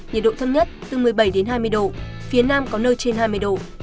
nhiệt độ thấp nhất từ một mươi bảy đến hai mươi độ phía nam có nơi trên hai mươi độ